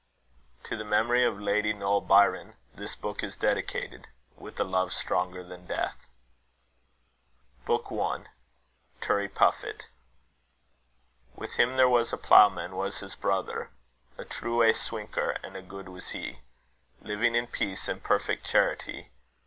TO THE MEMORY OF LADY NOEL BYRON, THIS BOOK IS DEDICATED, WITH A LOVE STRONGER THAN DEATH. BOOK I. TURRIEPUFFIT. With him there was a Ploughman, was his brother. A trewe swinker, and a good was he, Living in peace and perfect charity.